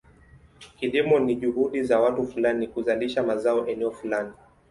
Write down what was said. Kilimo ni juhudi za watu fulani kuzalisha mazao eneo fulani.